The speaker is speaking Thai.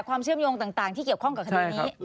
ความเชื่อมโยงต่างที่เกี่ยวข้องกับคดีนี้